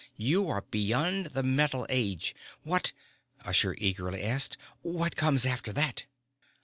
You are beyond the metal age. What " Usher eagerly asked. "What comes after that?"